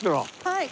はい。